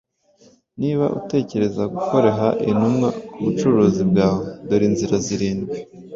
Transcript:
Niba utekereza gukoreha Intumwa kubucuruzi bwawe, dore inzira zirindwi